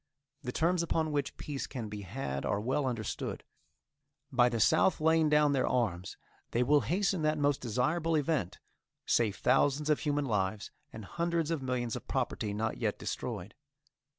The terms upon which peace can be had are well understood. By the South laying down their arms they will hasten that most desirable event, save thousands of human lives, and hundreds of millions of property not yet destroyed.